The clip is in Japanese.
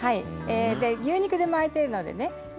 牛肉で巻いているのでね